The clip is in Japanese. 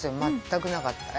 全くなかった。